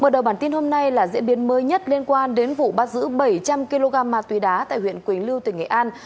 mở đầu bản tin hôm nay là diễn biến mới nhất liên quan đến vụ bắt giữ bảy trăm linh kg ma túy đá tại huyện quỳnh lưu tỉnh nghệ an